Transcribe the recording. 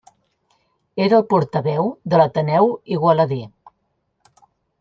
Era el portaveu de l'Ateneu Igualadí.